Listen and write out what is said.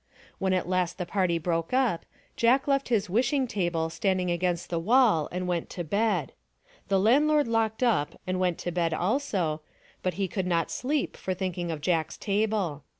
When at last the party broke up, Jack left his wishing table standing against the wall and went to bed. The landlord locked up and went to bed also, but he could not sleep for thinking of Jack's table.